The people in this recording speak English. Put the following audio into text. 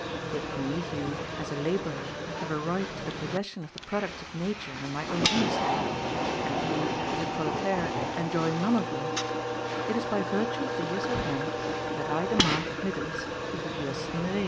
With me who, as a laborer, have a right to the possession of the products of Nature and my own industry, and who, as a proletaire, enjoy none of them, it is by virtue of the jus ad rem that I demand admittance to the jus in re.